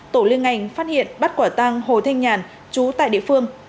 tổ liên ngành phát hiện bắt quả tang hồ thanh nhàn chú tại địa phương